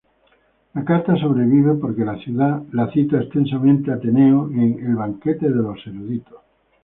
La carta sobrevive porque la cita extensamente Ateneo en el "Banquete de los eruditos".